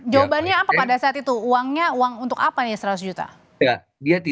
jawabannya apa pada saat itu uangnya uang untuk apa nih seratus juta